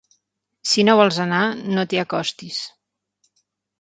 Si no vols anar, no t'hi acostis.